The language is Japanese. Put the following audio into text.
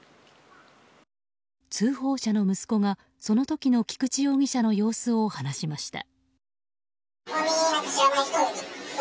通報者の息子がその時の菊池容疑者の様子を話しました。